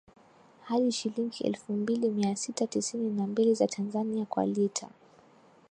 hadi shilingi elfu mbili mia sita tisini na mbili za Tanzania kwa lita